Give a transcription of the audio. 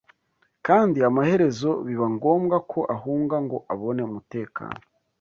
kandi amaherezo biba ngombwa ko ahunga ngo abone umutekano